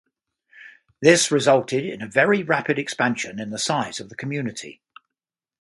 This resulted in a very rapid expansion in the size of the community.